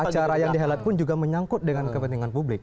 acara yang dihelat pun juga menyangkut dengan kepentingan publik